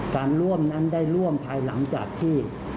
การร่วมนั้นได้ร่วมภายหลังจากที่